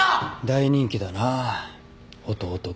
大人気だな弟君。